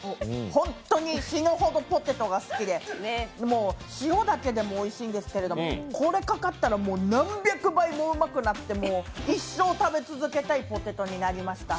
本当に死ぬほどポテトが好きで塩だけでもおいしいんですけどこれかけたらもう何百倍もうまくなって一生食べ続けたいポテトになりました。